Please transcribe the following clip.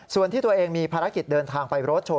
ส่วนที่ตัวเองมีภารกิจเดินทางไปรถโชว